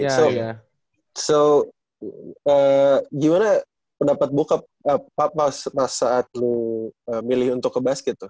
jadi gimana pendapat bapak saat lo memilih untuk ke basket tuh